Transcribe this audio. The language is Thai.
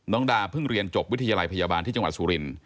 ดาเพิ่งเรียนจบวิทยาลัยพยาบาลที่จังหวัดสุรินทร์